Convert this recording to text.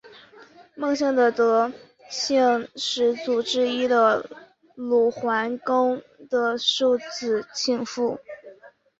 孟姓的得姓始祖之一是鲁桓公的庶子庆父。